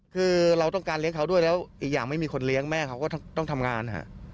คือเราต้องการเลี้ยงเขาด้วยแล้วอีกอย่างไม่มีคนเลี้ยงแม่เขาก็ต้องทำงาน